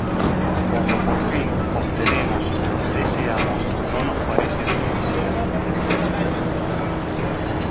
Cuando, por fin, obtenemos lo que deseamos, no nos parece suficiente.